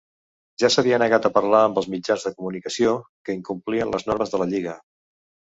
Ja s'havia negat a parlar amb els mitjans de comunicació, que incomplien les normes de la lliga.